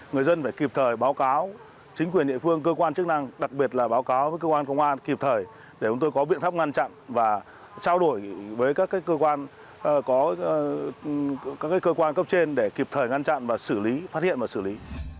người dân phải kịp thời báo cáo chính quyền địa phương cơ quan chức năng đặc biệt là báo cáo với cơ quan công an kịp thời để chúng tôi có biện pháp ngăn chặn và trao đổi với các cơ quan có các cơ quan cấp trên để kịp thời ngăn chặn và xử lý phát hiện và xử lý